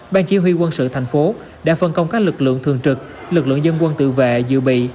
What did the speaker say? ban chỉ huy quân sự thành phố đã phân công các lực lượng thường trực lực lượng dân quân tự vệ dự bị